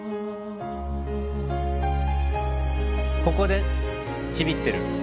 ここでちびってる。